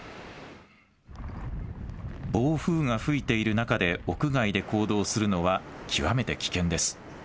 暴風が吹いている中で屋外で行動するのは極めて危険です。